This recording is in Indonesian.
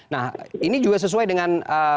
nah ini juga sesuai dengan